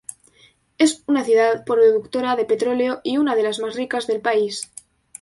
Es una ciudad productora de petróleo y una de las más ricas del país.